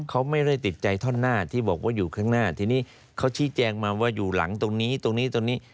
เขาไม่ได้ติดใจท่อนหน้าที่บอกว่าอยู่ข้างหน้าทีนี้เขาชี้แจงมาว่าอยู่หลังตรงนี้ตรงนี้ตรงนี้